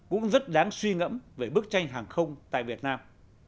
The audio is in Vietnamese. cũng rất đáng suy ngẫm về bức tranh hàng không tại việt nam